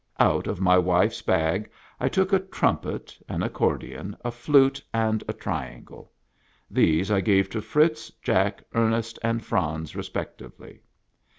Out of my wife's bag I took a trumpet, an accordion, a flute, and a triangle ; these I gave to Fritz, Jack, Ernest, and Franz respectively.